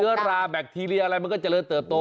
ราแบคทีเรียอะไรมันก็เจริญเติบโต